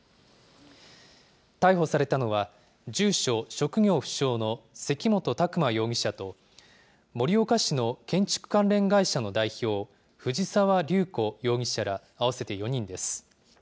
逮捕されたのは、住所職業不詳の関本琢磨容疑者と、盛岡市の建築関連会社の代表、藤澤龍虎容疑者ら、合わせて４人です。